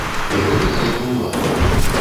І робіць гэта ўлада.